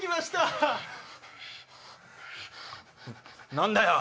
何だよ！